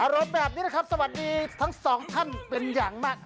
เราแบบนี้นะครับสวัสดีทั้งสองท่านเป็นอย่างมาก